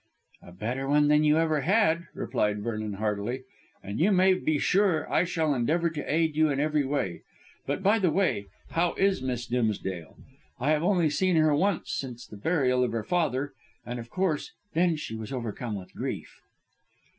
"A better one than ever you had," replied Vernon heartily, "and you may be sure I shall endeavour to aid you in every way. But, by the way, how is Miss Dimsdale? I have seen her only once since the burial of her father, and, of course, then she was overcome with grief."